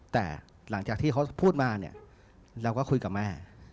แต่หลังจากที่เขาพูดมาเนี่ยเราก็คุยกับแม่